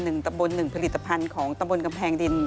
หนึ่งตะบนหนึ่งผลิตภัณฑ์ของตะบนกำแพงดิน